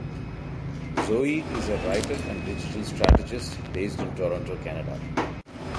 Zoë is a writer and digital strategist based in Toronto, Canada.